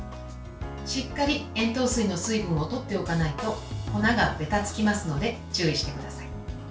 しっかり塩糖水の水分を取っておかないと粉がべたつきますので注意してください。